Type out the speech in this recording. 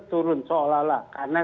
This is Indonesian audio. turun seolah olah karena